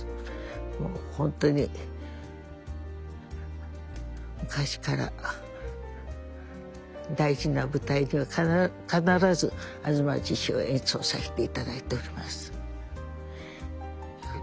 もう本当に昔から大事な舞台では必ず「吾妻獅子」を演奏させていただいております。